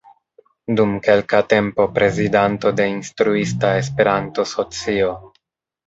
Dum kelka tempo prezidanto de Instruista Esperanto-Socio.